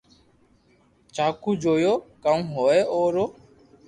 چاڪو جويو ڪاو ھوئي او رو